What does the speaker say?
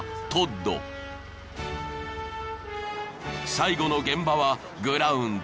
［最後の現場はグラウンド］